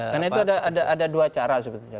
karena itu ada dua cara sebetulnya